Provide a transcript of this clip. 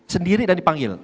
sendiri dan dipanggil